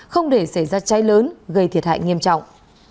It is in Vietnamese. không để xảy ra cháy lớn gây thiệt hại nghiêm trọng